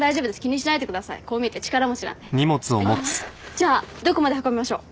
じゃあどこまで運びましょう？